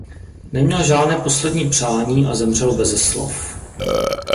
Neměl žádné poslední přání a zemřel beze slov.